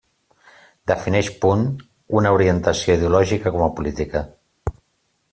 Defineix punt una orientació ideològica com a política.